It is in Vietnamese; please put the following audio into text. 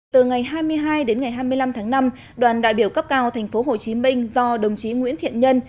từ ngày hai mươi hai đến ngày hai mươi năm tháng năm đoàn đại biểu cấp cao tp hcm do đồng chí nguyễn thiện nhân